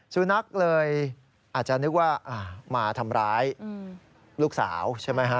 สุนัขเลยอาจจะนึกว่ามาทำร้ายลูกสาวใช่ไหมฮะ